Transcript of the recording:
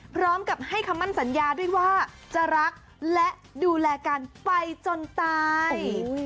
พร้อมกับให้คำมั่นสัญญาด้วยว่าจะรักและดูแลกันไปจนตาย